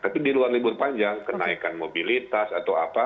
tapi di luar libur panjang kenaikan mobilitas atau apa